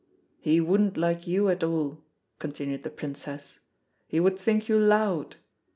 "He wouldn't like you at all," continued the Princess. "He would think you loud.